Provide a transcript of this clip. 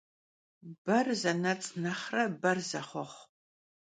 Ber zenets' nexhre ber zexhuexhu.